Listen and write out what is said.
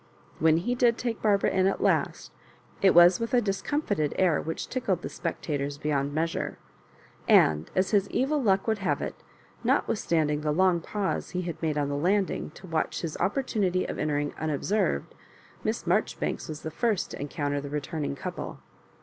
When he did take Barbara in at last, it was with a discomfited air which tickled the spectators beyond measure. And as his evil luck would have it, notwithstandmg the long pause he had made on the landing, to watch his oppor tunity of entering unobserved, Miss Marjoribanks was the first to encounter the returning couple.